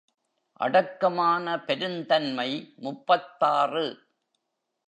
அடக்கமான பெருந்தன்மை முப்பத்தாறு.